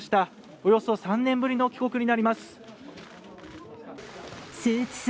およそ３年ぶりの帰国になります。